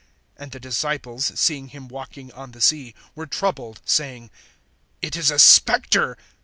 (26)And the disciples, seeing him walking on the sea, were troubled, saying: It is a spectre.